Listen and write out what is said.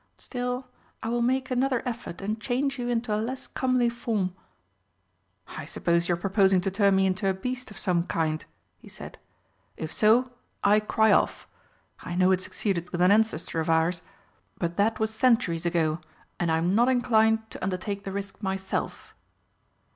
Still, I will make another effort and change you into a less comely form." "I suppose you are proposing to turn me into a beast of some kind?" he said. "If so, I cry off. I know it succeeded with an ancestor of ours but that was centuries ago, and I'm not inclined to undertake the risk myself."